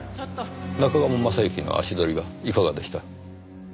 中鴨昌行の足取りはいかがでした？